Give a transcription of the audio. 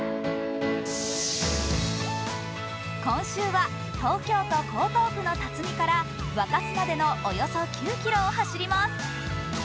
今週は東京都江東区の辰巳から若洲までのおよそ９ｋｍを走ります。